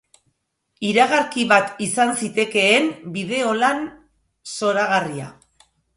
Iragarki bat izan zitekeen bideolan zoragarria.